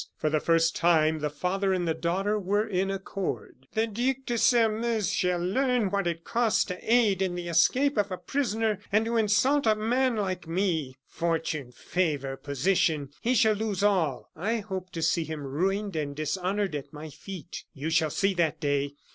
For the first time the father and the daughter were in accord. "The Duc de Sairmeuse shall learn what it costs to aid in the escape of a prisoner and to insult a man like me. Fortune, favor, position he shall lose all! I hope to see him ruined and dishonored at my feet. You shall see that day!